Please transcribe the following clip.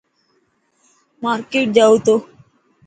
مارڪيٽ جائون تو.